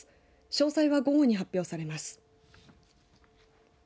詳細は午後に発表されます。